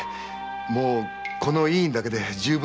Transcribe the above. もうこの医院だけで十分。